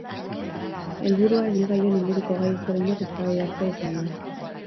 Helburua, ibilgailuen inguruko gai ezberdinak eztabaidatzea izango da.